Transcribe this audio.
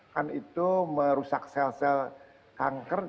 kan itu merusak sel sel kanker